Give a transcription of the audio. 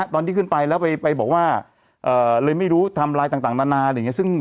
ตอนที่ขึ้นไปแล้วไปบอกว่าเลยไม่รู้ทำรายต่างนาน